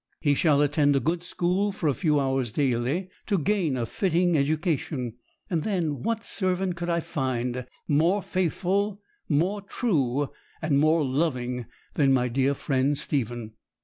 He shall attend a good school for a few hours daily, to gain a fitting education; and then what servant could I find more faithful, more true, and more loving than my dear friend Stephen?